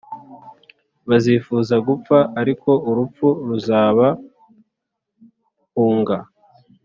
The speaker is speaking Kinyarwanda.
bazifuza gupfa ariko urupfu ruzabahunga.